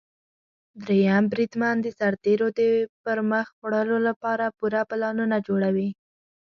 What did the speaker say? دریم بریدمن د سرتیرو د پرمخ وړلو لپاره پوره پلانونه جوړوي.